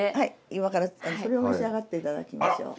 今からそれを召し上がって頂きましょう。